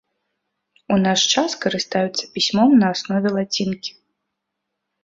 У наш час карыстаюцца пісьмом на аснове лацінкі.